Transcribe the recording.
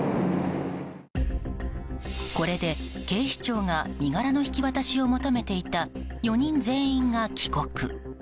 これで、警視庁が身柄の引き渡しを求めていた４人全員が帰国。